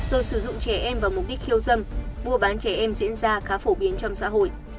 rồi sử dụng trẻ em vào mục đích khiêu dâm mua bán trẻ em diễn ra khá phổ biến trong xã hội